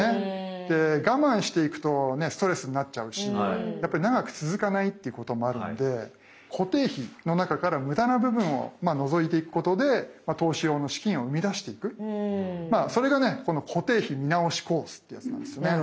で我慢していくとストレスになっちゃうし長く続かないということもあるので固定費の中からムダな部分を除いていくことで投資用の資金をうみだしていくそれがねこの「固定費見直しコース」ってやつなんですよね。